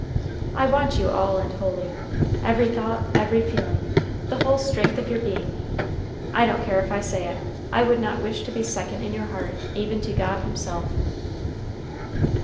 I want you all and wholly; every thought, every feeling, the whole strength of your being. I don't care if I say it: I would not wish to be second in your heart even to God himself!"